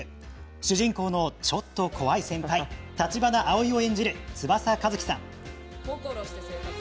主人公の、ちょっと怖い先輩橘アオイを演じる翼和希さん。